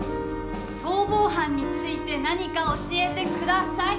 逃亡犯について何か教えて下さい！